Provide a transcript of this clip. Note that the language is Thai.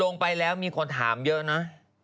ลงไปแล้วมีคนถามเยอะนะ